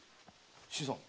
新さん。